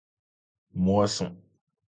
Moisson.